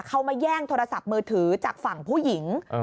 เขามาแย่งโทรศัพท์มือถือจากฝั่งผู้หญิง